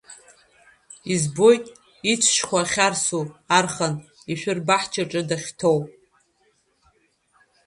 Избоит ицәшьхәа ахьарсу архан, ишәыр баҳчаҿы дахьҭоу.